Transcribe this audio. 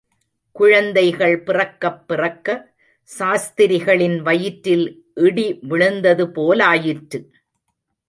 குழந்தைகள் பிறக்கப் பிறக்க சாஸ்திரிகளின் வயிற்றில் இடி விழுந்தது போலாயிற்று.